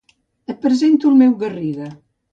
Et presento el meu Garriga.